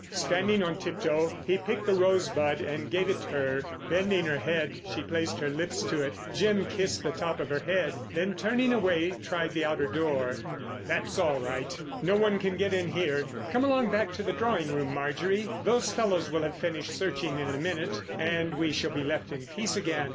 Standing on tip toe, he picked the rosebud and gave it her. Bending her head she placed her lips to it. Jim kissed the top of her head, then, turning away, tried the outer door. "That's all right. No one can get in here. Come along back to the drawing room, Marjorie. Those fellows will have finished searching in a minute and we shall be left in peace again.